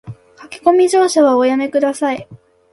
駆け込み乗車はおやめ下さい